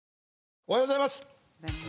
おはようございます。